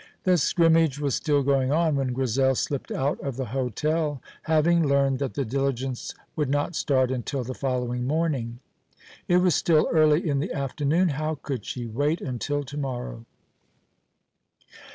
The scrimmage was still going on when Grizel slipped out of the hotel, having learned that the diligence would not start until the following morning. It was still early in the afternoon. How could she wait until to morrow?